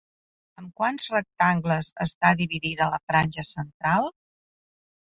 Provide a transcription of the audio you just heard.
Amb quants rectangles està dividida la franja central?